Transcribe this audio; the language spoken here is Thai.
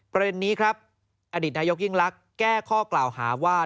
ประเด็นนี้ครับอดีตนายกยิ่งลักษณ์แก้ข้อกล่าวหาว่า